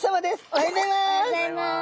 おはようございます！